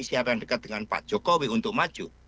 siaran dekat dengan pak jokowi untuk maju